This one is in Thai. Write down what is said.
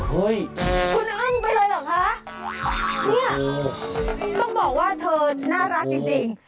ต้องบอกว่าเธอน่ารักจริง